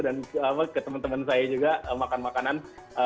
dan ke teman teman saya juga makan makanan